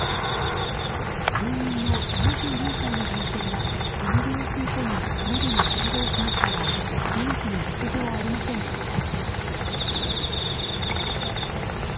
住人の７４歳の男性が煙を吸い込みのどにやけどをしましたが命に別条はありませんでした。